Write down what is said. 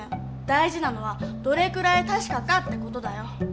大事なのはどれくらい確かかって事だよ。